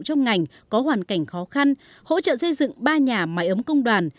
trong ngành có hoàn cảnh khó khăn hỗ trợ xây dựng ba nhà máy ấm công đoàn